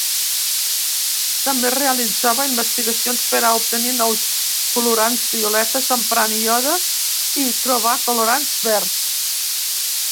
També realitzava investigacions per a obtenir nous colorants violetes emprant iode i trobà colorants verds.